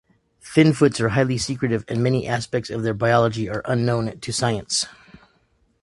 Finfoots are highly secretive and many aspects of their biology are unknown to science.